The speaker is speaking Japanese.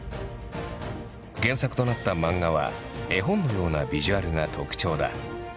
原作となった漫画は絵本のようなビジュアルが特徴だ。